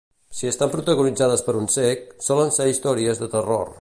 Si estan protagonitzades per un cec, solen ser històries de terror.